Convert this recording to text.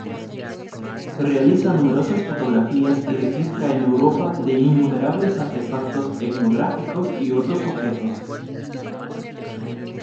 Realiza numerosas fotografías y registra en Europa de innumerables artefactos etnográficos y otros objetos.